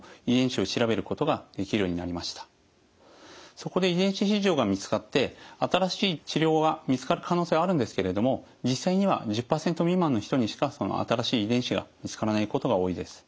そこで遺伝子異常が見つかって新しい治療が見つかる可能性はあるんですけれども実際には１０％未満の人にしか新しい遺伝子が見つからないことが多いです。